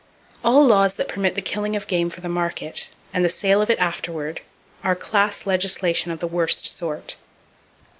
All laws that permit the killing of game for the market, and the sale of it afterward, are class legislation of the worst sort.